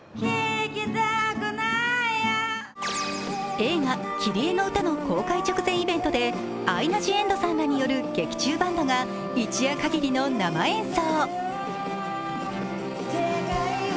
映画「キリエのうた」の公開直前イベントでアイナ・ジ・エンドさんらによる劇中バンドが一夜かぎりの生演奏。